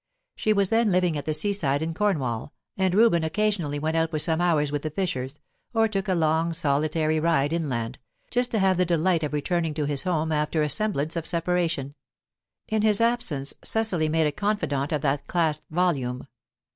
She was then living at the seaside in Cornwall, and Reuben occasionally went out for some hours with the fishers, or took a long solitary ride inland, just to have the delight of returning to his home after a semblance of separation; in his absence, Cecily made a confidant of the clasped volume.